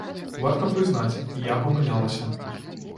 Варта прызнаць, я памылялася.